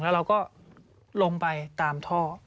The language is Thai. แล้วเราก็ลงไปตามท่อ